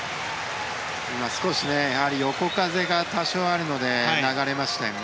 今、横風が多少あるので流れましたよね。